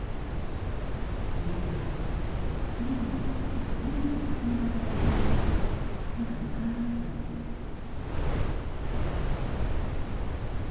犬飼さんは今もビルが立ち並ぶ場所には足が向かないといいます。